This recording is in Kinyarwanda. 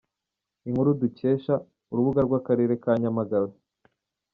Inkuru dukesha : Urubuga rw’Akarere ka Nyamagabe.